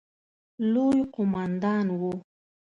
لوی قوماندان وو.